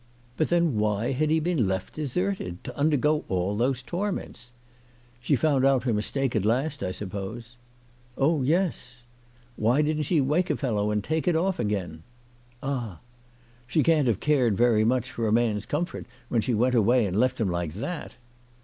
But then why had he been left, deserted, to undergo all those torments ?" She found out her mistake at last, I suppose ?"" Oh, yes." "Why didn't she wake a fellow and take it off' O 5 9 again r "Ah!" " She can't have cared very much for a man's com fort when she went away and left him like that."